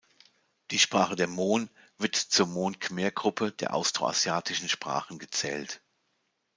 Die Sprache der Mon wird zur Mon-Khmer-Gruppe der austroasiatischen Sprachen gezählt.